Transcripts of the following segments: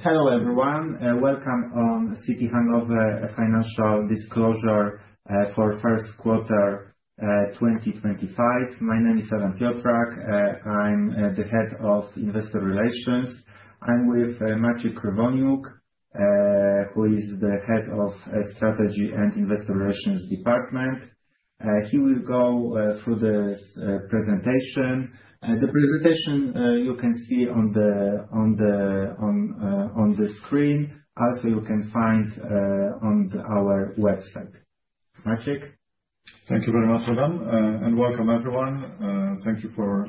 Hello everyone, welcome on Citi Handlowy Financial Disclosure for first quarter 2025. My name is Adam Piotrak, I'm the Head of Investor Relations. I'm with Maciej Krywoniuk, who is the Head of Strategy and Investor Relations Department. He will go through this presentation. The presentation you can see on the screen, also you can find on our website. Maciej? Thank you very much, Adam, and welcome everyone. Thank you for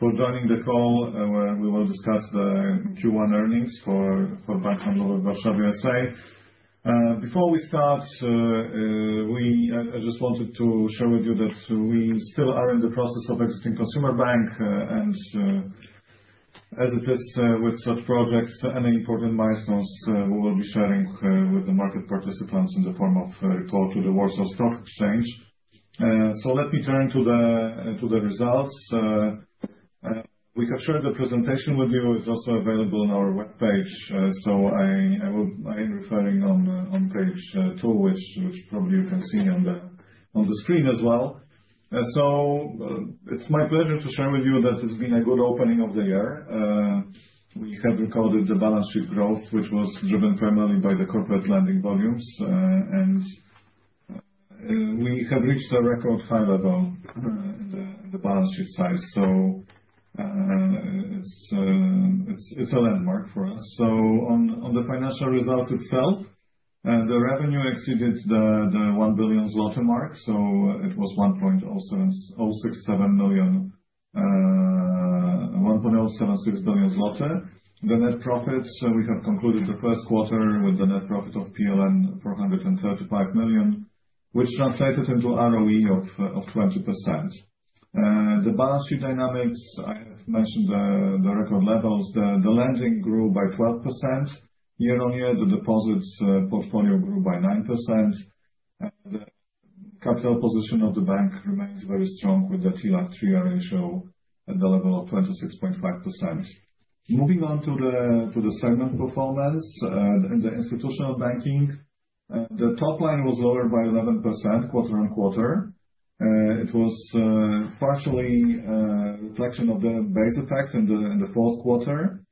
joining the call where we will discuss the Q1 earnings for Bank Handlowy w Warszawie S.A. Before we start, I just wanted to share with you that we still are in the process of exiting consumer bank, and as it is with such projects and important milestones, we will be sharing with the market participants in the form of a report to the Warsaw Stock Exchange. Let me turn to the results. We have shared the presentation with you, it's also available on our webpage, so I am referring on page two, which probably you can see on the screen as well. It's my pleasure to share with you that it's been a good opening of the year. We have recorded the balance sheet growth, which was driven primarily by the corporate lending volumes, and we have reached a record high level in the balance sheet size, so it's a landmark for us. On the financial results itself, the revenue exceeded the 1 billion mark, so it was 1.067 billion. The net profit, we have concluded the first quarter with the net profit of PLN 435 million, which translated into ROE of 20%. The balance sheet dynamics, I have mentioned the record levels, the lending grew by 12% year on year, the deposits portfolio grew by 9%, and the capital position of the bank remains very strong with the TLAC ratio at the level of 26.5%. Moving on to the segment performance, in the institutional banking, the top line was lower by 11% quarter on quarter. It was partially a reflection of the base effect in the fourth quarter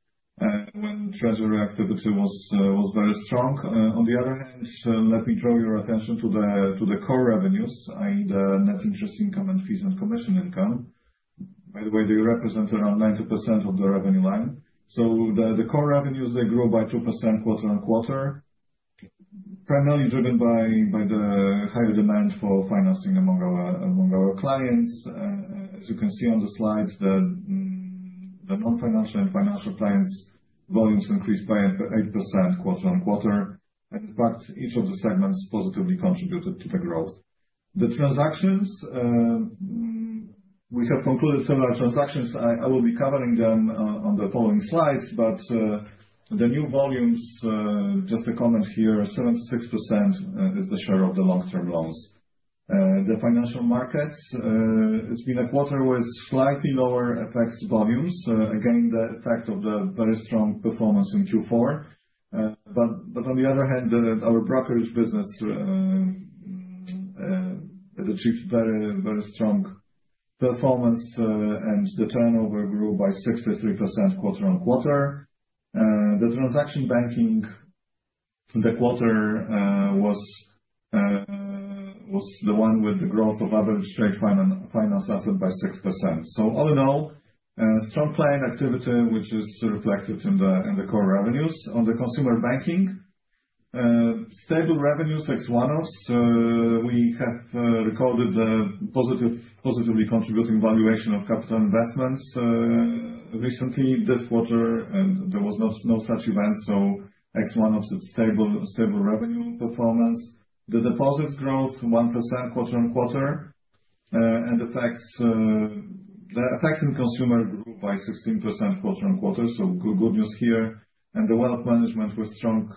when treasury activity was very strong. On the other hand, let me draw your attention to the core revenues, i.e., the net interest income and fees and commission income. By the way, they represent around 90% of the revenue line. The core revenues, they grew by 2% quarter on quarter, primarily driven by the higher demand for financing among our clients. As you can see on the slide, the non-financial and financial clients' volumes increased by 8% quarter on quarter, and in fact, each of the segments positively contributed to the growth. The transactions, we have concluded similar transactions, I will be covering them on the following slides, but the new volumes, just a comment here, 76% is the share of the long-term loans. The financial markets, it's been a quarter with slightly lower FX volumes, again the effect of the very strong performance in Q4, but on the other hand, our brokerage business achieved very, very strong performance and the turnover grew by 63% quarter on quarter. The transaction banking, the quarter was the one with the growth of average trade finance asset by 6%. All in all, strong client activity, which is reflected in the core revenues. On the consumer banking, stable revenues, ex-one-offs, we have recorded the positively contributing valuation of capital investments recently this quarter, and there was no such event, so ex-one-offs, it's stable revenue performance. The deposits growth, 1% quarter on quarter, and the FX in consumer grew by 16% quarter on quarter, good news here, and the wealth management with strong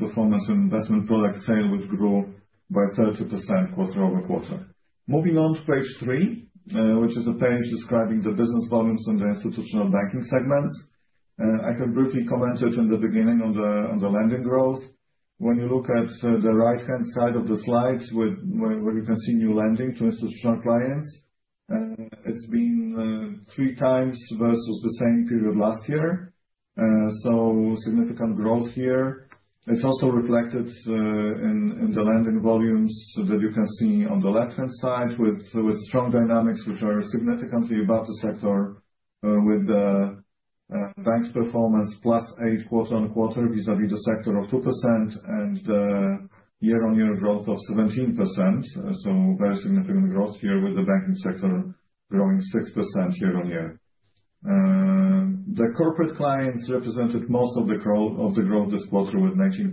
performance and investment product sale, which grew by 30% quarter over quarter. Moving on to page three, which is a page describing the business volumes and the institutional banking segments, I have briefly commented in the beginning on the lending growth. When you look at the right-hand side of the slide, where you can see new lending to institutional clients, it's been three times versus the same period last year, so significant growth here. It's also reflected in the lending volumes that you can see on the left-hand side with strong dynamics, which are significantly above the sector with the bank's performance plus 8% quarter on quarter vis-à-vis the sector of 2% and year-on-year growth of 17%, so very significant growth here with the banking sector growing 6% year-on-year. The corporate clients represented most of the growth this quarter with 19%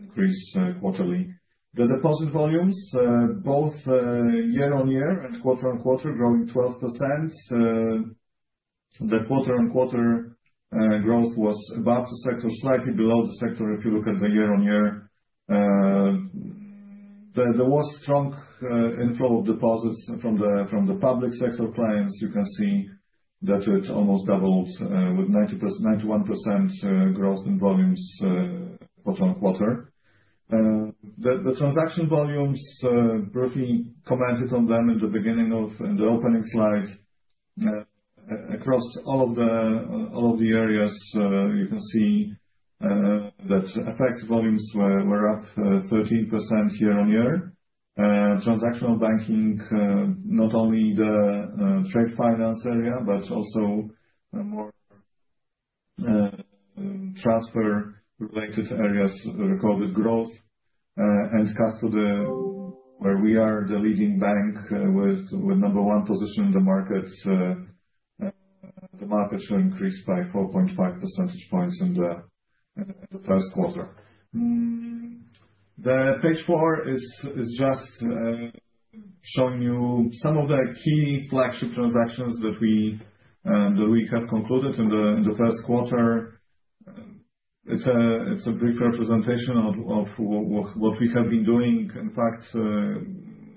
increase quarterly. The deposit volumes, both year-on-year and quarter on quarter, growing 12%. The quarter-on-quarter growth was above the sector, slightly below the sector if you look at the year-on-year. There was strong inflow of deposits from the public sector clients, you can see that it almost doubled with 91% growth in volumes quarter on quarter. The transaction volumes, briefly commented on them in the beginning of the opening slide, across all of the areas, you can see that FX volumes were up 13% year-on-year. Transactional banking, not only the trade finance area, but also more transfer-related areas recorded growth, and custody, where we are the leading bank with number one position in the market, the market share increased by 4.5 percentage points in the first quarter. The page four is just showing you some of the key flagship transactions that we have concluded in the first quarter. It's a brief representation of what we have been doing. In fact,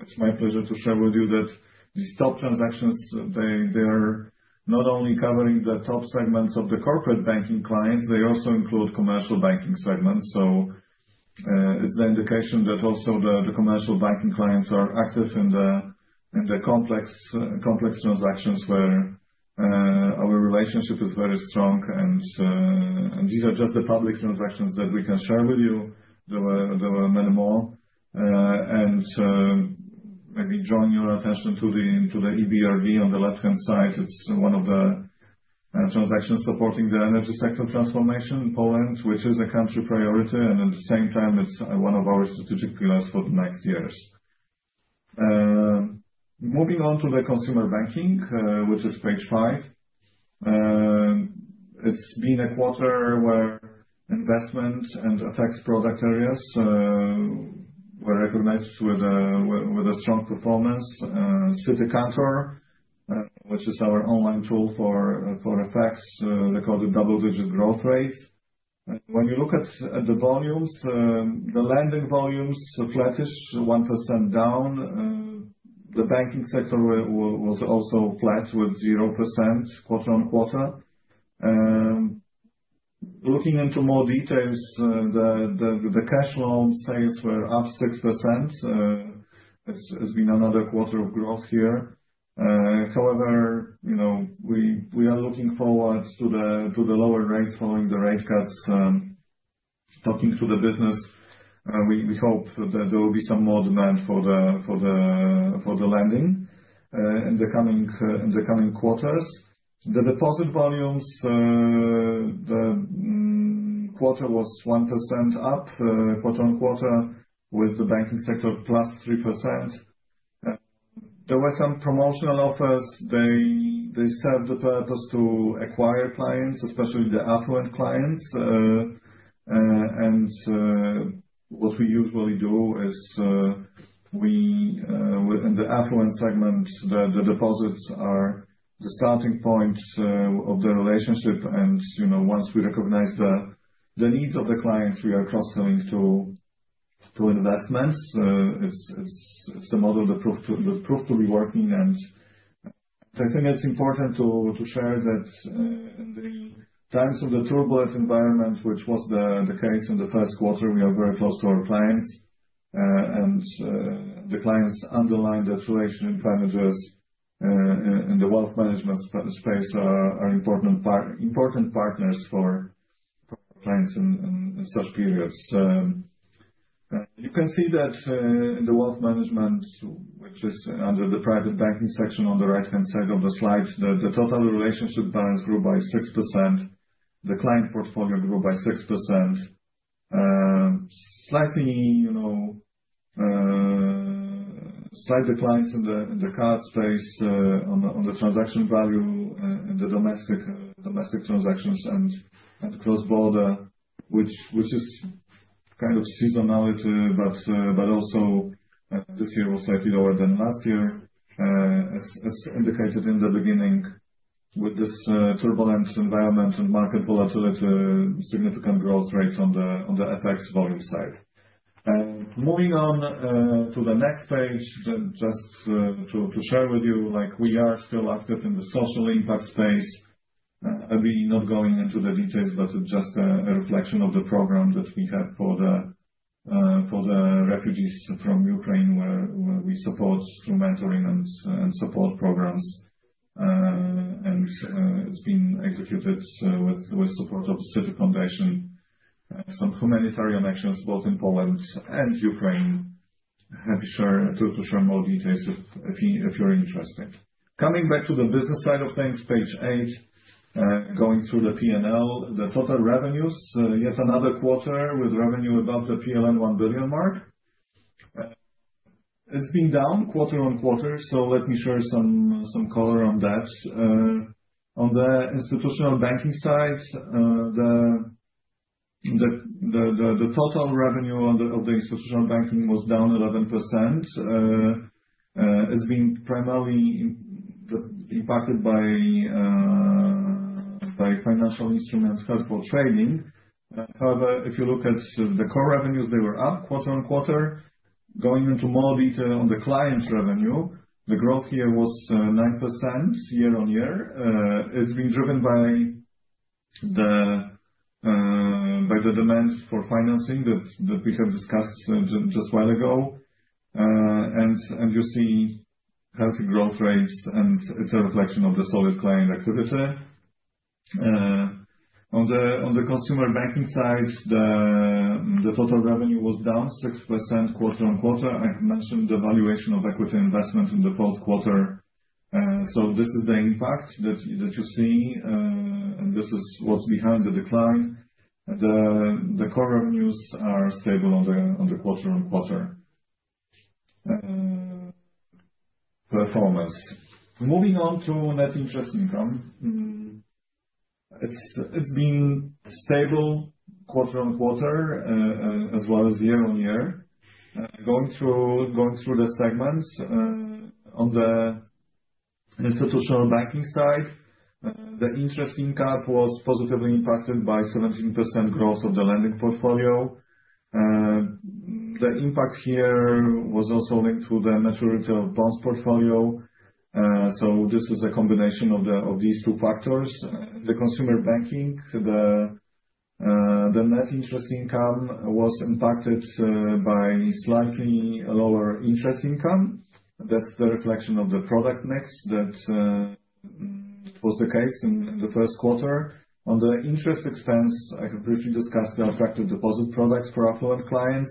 it's my pleasure to share with you that these top transactions, they are not only covering the top segments of the corporate banking clients, they also include commercial banking segments, so it's the indication that also the commercial banking clients are active in the complex transactions where our relationship is very strong. These are just the public transactions that we can share with you, there were many more. Maybe drawing your attention to the EBRD on the left-hand side, it's one of the transactions supporting the energy sector transformation in Poland, which is a country priority, and at the same time, it's one of our strategic pillars for the next years. Moving on to the consumer banking, which is page five, it's been a quarter where investment and FX product areas were recognized with a strong performance. Citi Kantor, which is our online tool for FX, recorded double-digit growth rates. When you look at the volumes, the lending volumes are flattish, 1% down. The banking sector was also flat with 0% quarter on quarter. Looking into more details, the cash loan sales were up 6%. It's been another quarter of growth here. However, we are looking forward to the lower rates following the rate cuts. Talking to the business, we hope that there will be some more demand for the lending in the coming quarters. The deposit volumes, the quarter was 1% up quarter on quarter with the banking sector plus 3%. There were some promotional offers, they served the purpose to acquire clients, especially the affluent clients. What we usually do is, in the affluent segment, the deposits are the starting point of the relationship, and once we recognize the needs of the clients, we are cross-selling through investments. It's a model that proved to be working, and I think it's important to share that in the times of the turbulent environment, which was the case in the first quarter, we are very close to our clients, and the clients underline that relationship managers in the wealth management space are important partners for clients in such periods. You can see that in the wealth management, which is under the private banking section on the right-hand side of the slide, the total relationship balance grew by 6%, the client portfolio grew by 6%, slight declines in the card space on the transaction value in the domestic transactions and cross-border, which is kind of seasonality, but also this year was slightly lower than last year, as indicated in the beginning with this turbulent environment and market volatility, significant growth rates on the FX volume side. Moving on to the next page, just to share with you, we are still active in the social impact space. I'll be not going into the details, but it's just a reflection of the program that we have for the refugees from Ukraine, where we support through mentoring and support programs, and it's been executed with support of the Citi Foundation, some humanitarian actions both in Poland and Ukraine. Happy to share more details if you're interested. Coming back to the business side of things, page eight, going through the P&L, the total revenues, yet another quarter with revenue above the PLN 1 billion mark. It's been down quarter on quarter, so let me share some color on that. On the institutional banking side, the total revenue of the institutional banking was down 11%. It's been primarily impacted by financial instruments held for trading. However, if you look at the core revenues, they were up quarter on quarter. Going into more detail on the client revenue, the growth here was 9% year-on-year. It's been driven by the demand for financing that we have discussed just while ago, and you see healthy growth rates, and it's a reflection of the solid client activity. On the consumer banking side, the total revenue was down 6% quarter on quarter. I mentioned the valuation of equity investment in the fourth quarter, so this is the impact that you see, and this is what's behind the decline. The core revenues are stable on the quarter-on-quarter performance. Moving on to net interest income, it's been stable quarter on quarter as well as year-on-year. Going through the segments, on the institutional banking side, the interest income was positively impacted by 17% growth of the lending portfolio. The impact here was also linked to the maturity of bonds portfolio, so this is a combination of these two factors. The consumer banking, the net interest income was impacted by slightly lower interest income. That's the reflection of the product mix that was the case in the first quarter. On the interest expense, I have briefly discussed the attractive deposit products for affluent clients.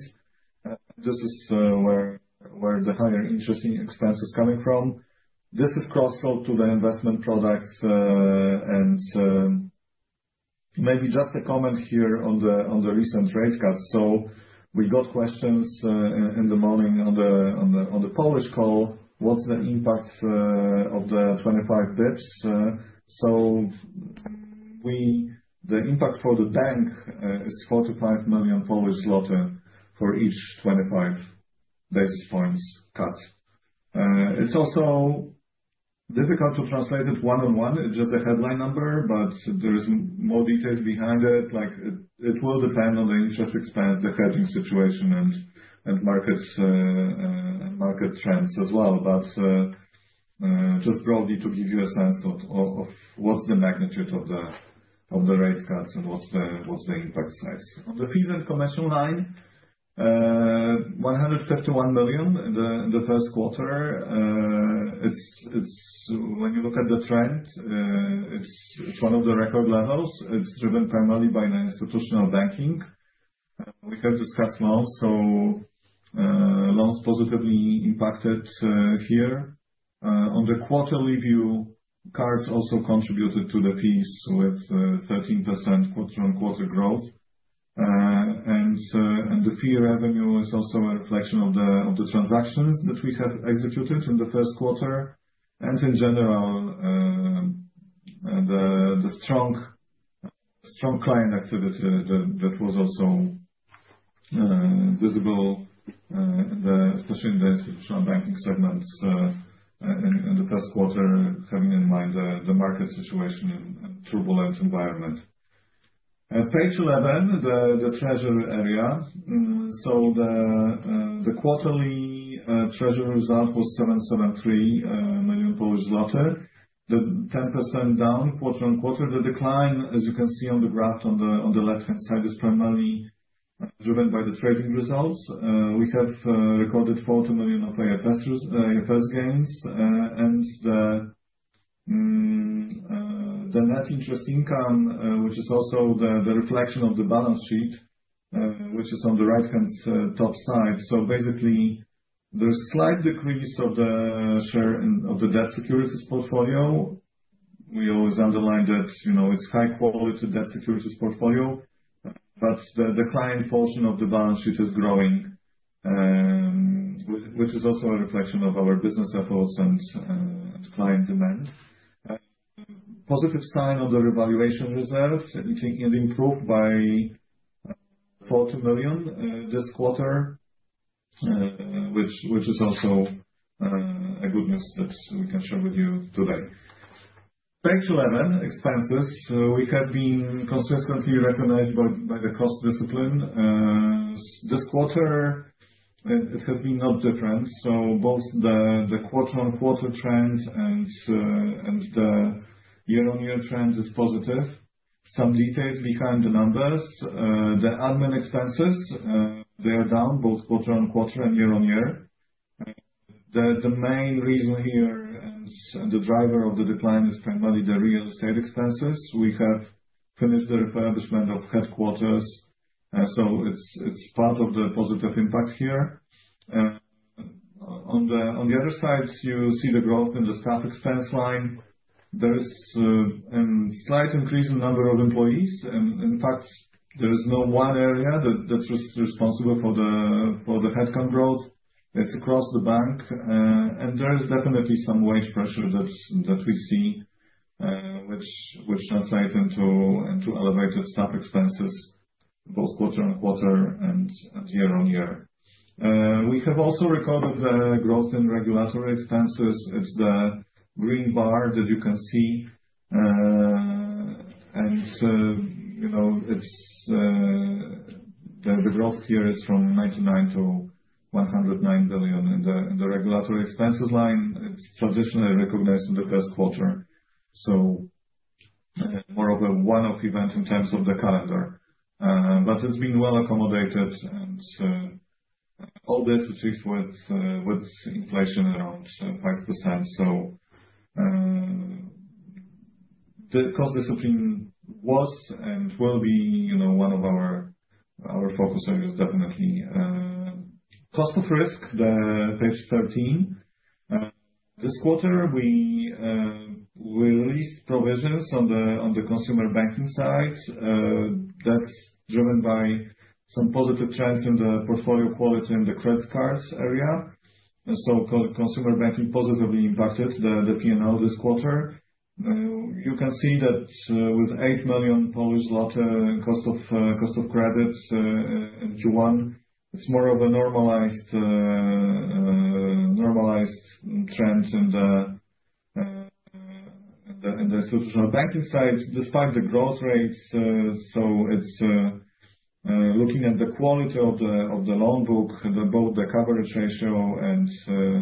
This is where the higher interest expense is coming from. This is cross-sold to the investment products, and maybe just a comment here on the recent rate cuts. We got questions in the morning on the Polish call, what's the impact of the 25 basis points? The impact for the bank is 4 million-5 million Polish zloty for each 25 basis points cut. It's also difficult to translate it one-on-one, just a headline number, but there is more detail behind it. It will depend on the interest expense, the hedging situation, and market trends as well. Just broadly to give you a sense of what's the magnitude of the rate cuts and what's the impact size. On the fees and commission line, 151 million in the first quarter. When you look at the trend, it's one of the record levels. It's driven primarily by the institutional banking. We have discussed loans, so loans positively impacted here. On the quarterly view, cards also contributed to the fees with 13% quarter-on-quarter growth. The fee revenue is also a reflection of the transactions that we have executed in the first quarter. In general, the strong client activity that was also visible, especially in the institutional banking segments in the first quarter, having in mind the market situation in a turbulent environment. Page 11, the treasury area. The quarterly treasury result was PLN 773 million, 10% down quarter on quarter. The decline, as you can see on the graph on the left-hand side, is primarily driven by the trading results. We have recorded 40 million of AFS gains, and the net interest income, which is also the reflection of the balance sheet, which is on the right-hand top side. Basically, there's a slight decrease of the share of the debt securities portfolio. We always underline that it's a high-quality debt securities portfolio, but the client portion of the balance sheet is growing, which is also a reflection of our business efforts and client demand. Positive sign of the revaluation reserve, it improved by 40 million this quarter, which is also good news that we can share with you today. Page 11, expenses. We have been consistently recognized by the cost discipline. This quarter, it has been not different. Both the quarter-on-quarter trend and the year-on-year trend is positive. Some details behind the numbers. The admin expenses, they are down both quarter on quarter and year-on-year. The main reason here and the driver of the decline is primarily the real estate expenses. We have finished the refurbishment of headquarters, so it's part of the positive impact here. On the other side, you see the growth in the staff expense line. There is a slight increase in the number of employees. In fact, there is no one area that's responsible for the headcount growth. It's across the bank, and there is definitely some wage pressure that we see, which translates into elevated staff expenses both quarter on quarter and year-on-year. We have also recorded the growth in regulatory expenses. It's the green bar that you can see, and the growth here is from 99 billion to 109 billion. The regulatory expenses line, it's traditionally recognized in the first quarter, so more of a one-off event in terms of the calendar. It has been well accommodated, and all this achieved with inflation around 5%. The cost discipline was and will be one of our focus areas, definitely. Cost of risk, page 13. This quarter, we released provisions on the consumer banking side. That's driven by some positive trends in the portfolio quality and the credit cards area. Consumer banking positively impacted the P&L this quarter. You can see that with PLN 8 million cost of risk in Q1, it's more of a normalized trend in the institutional banking side, despite the growth rates. Looking at the quality of the loan book, both the coverage ratio and share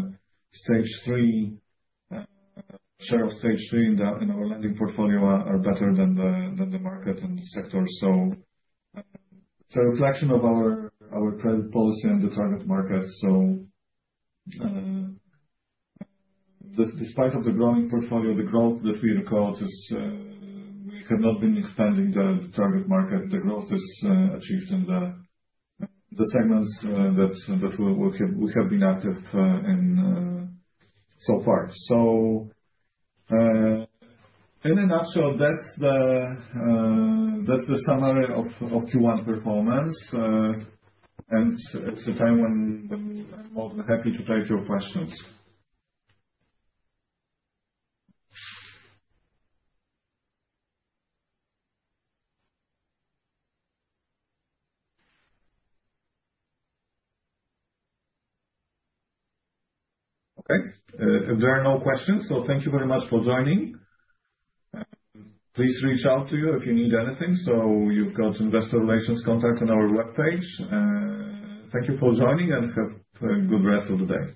of stage three in our lending portfolio are better than the market and the sector. It is a reflection of our credit policy and the target market. Despite the growing portfolio, the growth that we record, we have not been expanding the target market. The growth is achieved in the segments that we have been active in so far. In a nutshell, that is the summary of Q1 performance, and it is a time when I am more than happy to take your questions. Okay. There are no questions, so thank you very much for joining. Please reach out to us if you need anything. You have got investor relations contact on our webpage. Thank you for joining and have a good rest of the day.